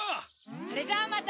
それじゃあまた！